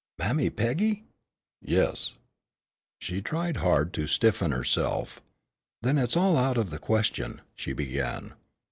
"Mammy Peggy!" "Yes." She tried hard to stiffen herself. "Then it is all out of the question," she began.